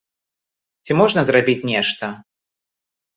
Ці можна зрабіць нешта?